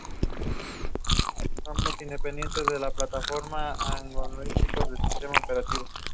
El Periodo Orientalizante.